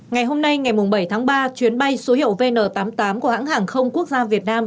ngày hôm nay ngày bảy tháng ba chuyến bay số hiệu vn tám mươi tám của hãng hàng không quốc gia việt nam